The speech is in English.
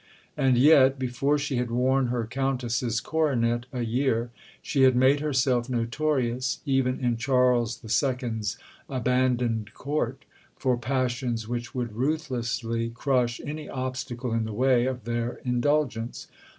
And yet, before she had worn her Countess's coronet a year, she had made herself notorious, even in Charles II.'s abandoned Court, for passions which would ruthlessly crush any obstacle in the way of their indulgence.